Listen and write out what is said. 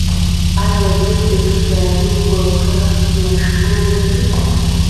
آیا دوی د کچالو په کښت مشهور نه دي؟